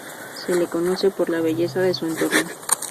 Se lo conoce por la belleza de su entorno.